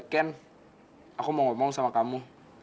ken aku mau ngomong sama kamu